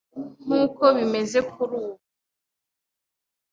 nkuko bimeze kuri ubu,